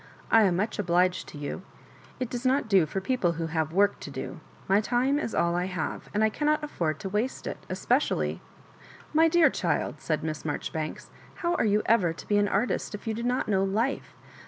I am much obliged to you. It does not do for people who have work to do. My time is all I have, and I cannot af ford to waste it, especially "" My dear child," said Miss Marjoribanks, how are you ever to be an artist if you do not know life?